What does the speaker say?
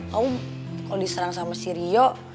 kamu kalau diserang sama si rio